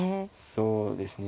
そうですね。